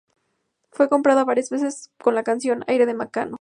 Fue comparada varias veces con la canción Aire de Mecano.